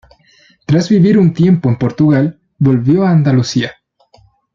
Tras vivir un tiempo en Portugal, volvió a Andalucía.